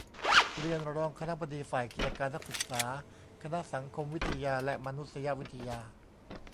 เรียน รองคณบดีฝ่ายกิจการนักศึกษา คณะสังคมวิทยาและมานุษยวิทยา